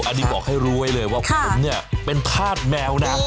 อันนี้บอกให้รู้ไว้เลยว่าผมเนี่ยเป็นธาตุแมวนะ